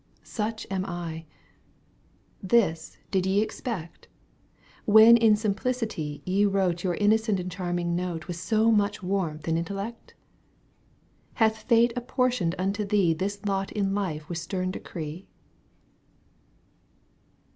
Such am L This did ye expect, When in simplicity ye wrote Your innocent and charming note With so much warmth and intellect ? Hath fate apportioned unto thee This lot in life with stem decree